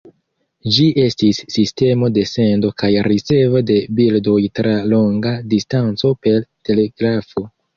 Ĝi estis sistemo de sendo kaj ricevo de bildoj tra longa distanco, per telegrafo.